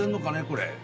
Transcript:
これ。